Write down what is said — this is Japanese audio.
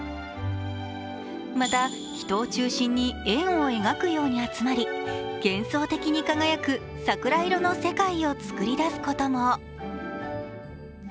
また、人を中心に円を描くように集まり幻想的に輝く桜色の世界を作りだすことも。